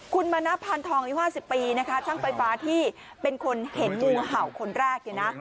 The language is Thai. คุณมานับพันธอง๕๐ปีนะคะช่างไฟฟ้าที่เป็นคนเห็นงูเห่าคนแรกนะ